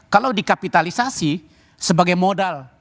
kalau dikapitalisasi sebagai modal